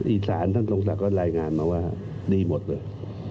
อีสานท่านทรงศักดิ์รายงานมาว่าดีหมดเลย